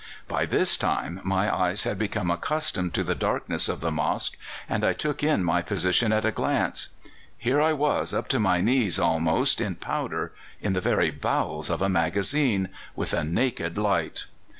"By this time my eyes had become accustomed to the darkness of the mosque, and I took in my position at a glance. Here I was up to my knees almost in powder in the very bowels of a magazine with a naked light!